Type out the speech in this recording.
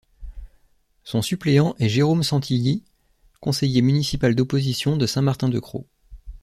Son suppléant est Jérôme Santilli, conseiller municipal d'opposition de Saint-Martin-de-Crau.